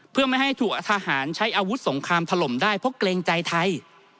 เพื่อไม่ให้ถูกทหารใช้อาวุธสงครามถล่มได้เพราะเกรงใจไทย